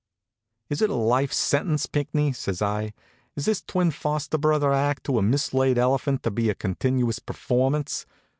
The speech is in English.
"Is it a life sentence, Pinckney?" says I. "Is this twin foster brother act to a mislaid elephant to be a continuous performance?